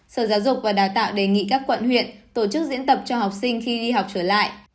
sở giáo dục và đào tạo đề nghị các quận huyện tổ chức diễn tập cho học sinh khi đi học trở lại